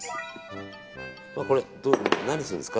これ、何するんですか？